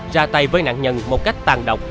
ra tay với nạn nhân một cách tàn độc